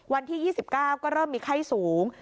วันที่๒๙ก็เริ่มมีไข้สูง